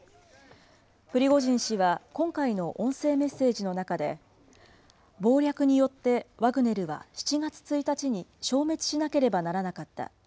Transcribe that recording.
プリゴジン氏は今回の音声メッセージの中で、謀略によってワグネルは７月１日に消滅しなければならなかった。